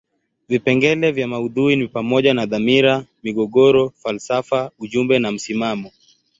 Vipengele vya maudhui ni pamoja na dhamira, migogoro, falsafa ujumbe na msimamo.